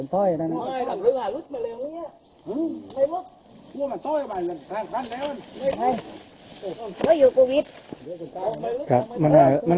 เหลืองเท้าอย่างนั้น